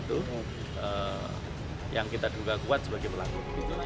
itu yang kita duga kuat sebagai pelaku